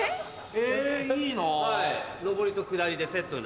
えいいな。